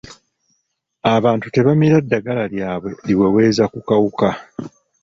Abantu tebamira ddagala lyabwe liweweeza ku kawuka.